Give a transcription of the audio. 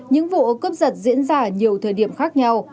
những vụ cướp giật diễn ra ở nhiều thời điểm khác nhau